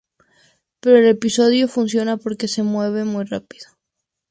Pero el episodio funciona porque se mueve muy rápido.